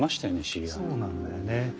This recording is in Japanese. そうなんだよね。